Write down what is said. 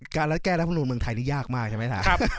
รัฐแก้รัฐมนุนเมืองไทยนี่ยากมากใช่ไหมครับ